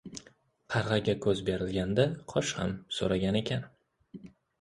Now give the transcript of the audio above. • Qarg‘aga ko‘z berilganida qosh ham so‘ragan ekan.